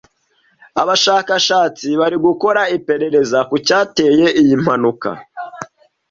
Abashakashatsi barimo gukora iperereza ku cyateye iyi mpanuka.